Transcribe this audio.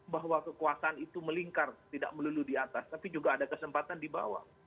bahwa kekuasaan itu melingkar tidak melulu di atas tapi juga ada kesempatan di bawah